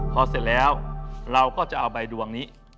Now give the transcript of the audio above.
พอเสร็จแล้วเราก็จะเอาใบดวงนี้